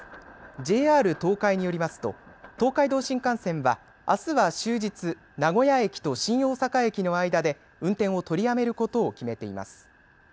ＪＲ東海によりますと東海道新幹線はあすは終日名古屋駅と新大阪駅の間で運転を取りやめることを決めています。